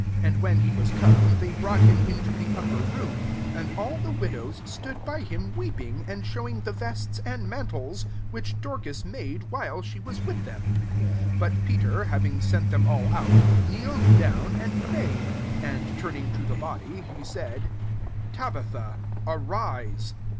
And when he was come, they brought him into the upper room: and aH the widows stood by him weep ing, and showing the vests and mantles which Dorcas made while she was with them. 40 But Peter, having sent them all out, kneeled down, and prayed ; and turning to the body, he said, " Tabitha, arise."